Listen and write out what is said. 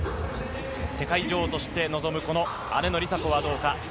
世界女王として臨む姉の梨紗子はどうか。